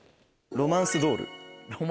ロマンスドール。